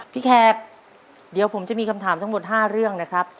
แขกเดี๋ยวผมจะมีคำถามทั้งหมด๕เรื่องนะครับ